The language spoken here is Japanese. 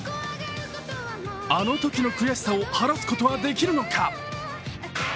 あのときの悔しさを晴らすことはできるのか。